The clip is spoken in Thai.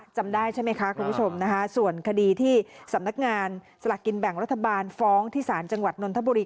จำได้ใช่ไหมคะคุณผู้ชมนะคะส่วนคดีที่สำนักงานสลากกินแบ่งรัฐบาลฟ้องที่ศาลจังหวัดนนทบุรี